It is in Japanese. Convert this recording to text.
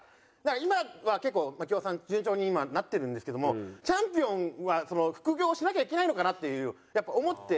今は結構槙尾さん順調になってるんですけどもチャンピオンは副業しなきゃいけないのかなっていうやっぱ思って。